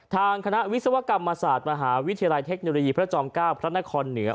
ทางคณะวิศวกรรมศาสตร์มหาวิทยาลัยเทคโนโลยีพระจอม๙พระนครเหนือ